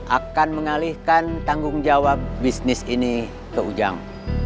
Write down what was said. akan mengalihkan tanggung jawab bisnis ini ke ujang